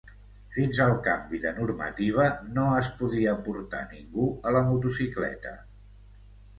Fins al canvi de normativa, no es podia portar ningú a la motocicleta.